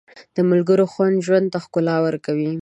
د ملګرتیا خوند ژوند ته ښکلا ورکوي.